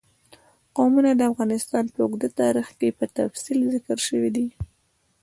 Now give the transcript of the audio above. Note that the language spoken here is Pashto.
قومونه د افغانستان په اوږده تاریخ کې په تفصیل ذکر شوی دی.